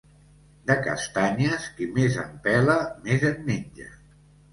De castanyes, qui més en pela més en menja.